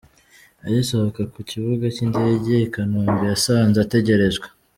Agisohoka ku kibuga cy'indege i Kanombe yasanze ategerejwe.